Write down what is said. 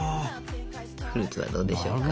フルーツはどうでしょうか？